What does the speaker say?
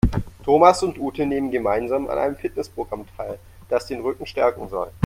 Thomas und Ute nehmen gemeinsam an einem Fitnessprogramm teil, das den Rücken stärken soll.